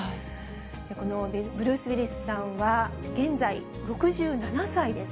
このブルース・ウィリスさんは、現在６７歳です。